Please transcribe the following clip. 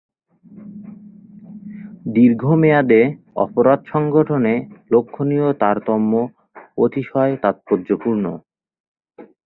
দীর্ঘ মেয়াদে অপরাধ সংঘটনে লক্ষনীয় তারতম্য অতিশয় তাৎপর্যপূর্ণ।